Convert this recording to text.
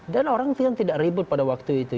dan orang tidak ribut pada waktu itu